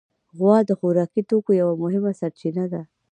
غوا د خوراکي توکو یوه مهمه سرچینه ده.